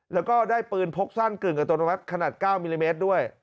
แล้วก็ได้ปืนพกสั้นกึ่งอัตโนมัติขนาด๙มิลลิเมตรด้วย